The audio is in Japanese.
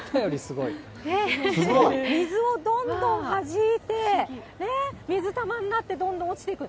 水をどんどんはじいて、水玉になって、どんどん落ちていく。